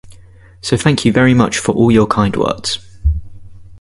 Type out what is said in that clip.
So thank you very much for all your kind words.